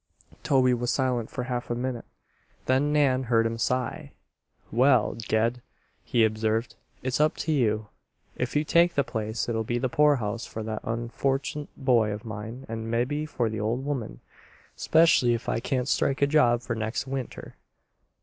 Toby was silent for half a minute. Then Nan heard him sigh. "Well, Ged," he observed, "it's up to you. If you take the place it'll be the poorhouse for that unforchunit boy of mine and mebbe for the ol' woman, 'specially if I can't strike a job for next winter.